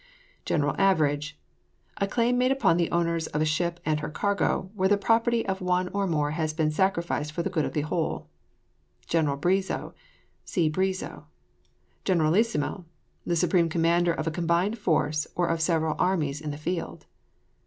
GENERAL AVERAGE. A claim made upon the owners of a ship and her cargo, when the property of one or more has been sacrificed for the good of the whole. GENERAL BREEZO. See BREEZO. GENERALISSIMO. The supreme commander of a combined force, or of several armies in the field.